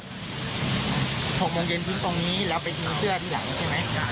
๖โมงเย็นทิ้งตรงนี้แล้วไปทิ้งเสื้อที่หลังใช่ไหม